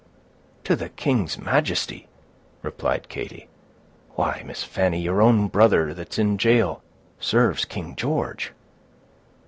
"To the king's majesty!" replied Katy. "Why, Miss Fanny, your own brother that's in jail serves King George."